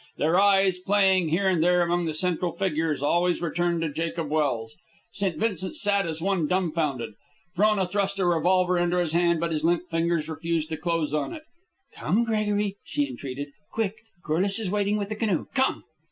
Their eyes, playing here and there among the central figures, always returned to Jacob Welse. St. Vincent sat as one dumfounded. Frona thrust a revolver into his hand, but his limp fingers refused to close on it. "Come, Gregory," she entreated. "Quick! Corliss is waiting with the canoe. Come!"